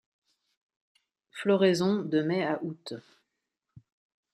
Floraison de mai à aout.